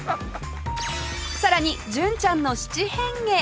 さらに純ちゃんの七変化